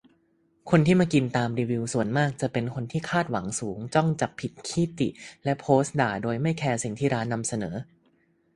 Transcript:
คนที่มากินตามรีวิวส่วนมากจะเป็นคนที่คาดหวังสูง จ้องจับผิด ขี้ติและโพสด่าโดยไม่แคร์สิ่งที่ร้านนำเสนอ